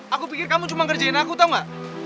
aku pikir kamu cuma ngerjain aku tau gak